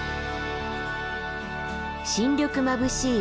新緑まぶしい